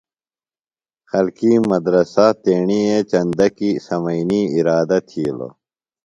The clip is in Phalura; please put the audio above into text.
خلکِیم مدرسہ تیݨئے چندہ کیۡ سمئینی اِرادہ تِھیلوۡ۔